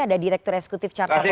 ada direktur eksekutif carta politik